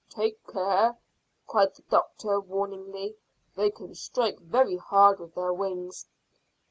"Take care," cried the doctor warningly; "they can strike very hard with their wings."